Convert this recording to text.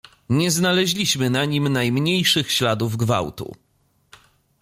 "Nie znaleźliśmy na nim najmniejszych śladów gwałtu."